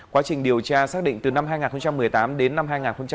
quá trình điều tra xác định từ năm hai nghìn một mươi tám đến năm hai nghìn một mươi chín